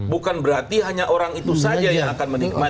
bukan berarti hanya orang itu saja yang akan menikmati